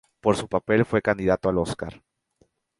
Por su papel fue candidato al Óscar.